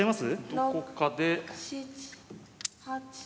どこかで。